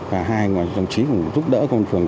và hai đồng chí cũng giúp đỡ công an phường